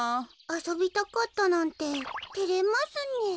あそびたかったなんててれますねえ。